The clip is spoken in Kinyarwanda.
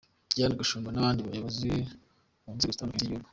Diane Gashumba n’abandi bayobozi mu nzego zitandukanye z’igihugu.